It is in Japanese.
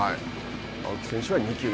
青木選手は、２球目。